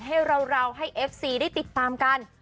ให้เราให้เอฟซีได้ติดตามกัน